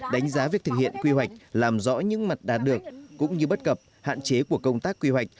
đánh giá việc thực hiện quy hoạch làm rõ những mặt đạt được cũng như bất cập hạn chế của công tác quy hoạch